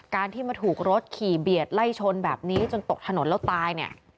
การที่มาถูกรถขี่เบียดไล่ชนแบบนี้จนตกถนนแล้วตายเนี่ย